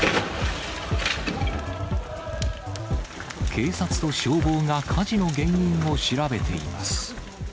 警察と消防が火事の原因を調べています。